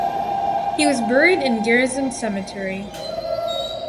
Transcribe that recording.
He was buried in Garrison Cemetery.